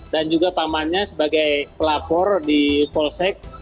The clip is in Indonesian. dan juga pamannya sebagai pelapor di polsek